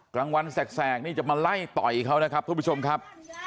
กลางวันแสกนี่จะมาไล่ต่อยเขานะครับทุกผู้ชมครับ